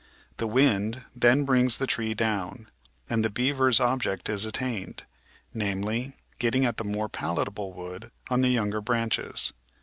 The wind then brings the tree down, and the beaver's object is attained, namely, getting at the more palatable wood on the younger branches.